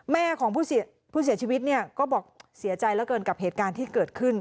แม่ของผู้เสียชีวิตเนี่ยก็บอกเสียใจเหลือเกินกับเหตุการณ์ที่เกิดขึ้น